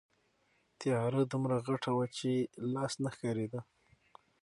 تیاره دومره غټه وه چې لاس نه ښکارېده.